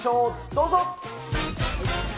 どうぞ。